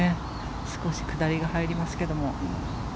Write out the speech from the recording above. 少し下りが入りますけども。